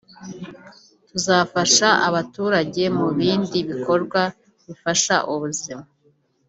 “Tuzafasha abaturage mu bindi bikorwa bifasha ubuzima